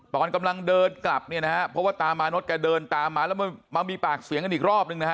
ตอนกำลังเดินกลับเนี่ยนะเพราะว่าตามอนทแกเดินมีปากเสียงอีกรอบหนึ่งนะครับ